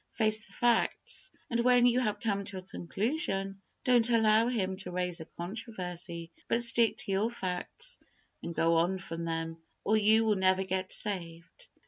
Face the facts, and when you have come to a conclusion, don't allow him to raise a controversy, but stick to your facts, and go on from them, or you will never get saved.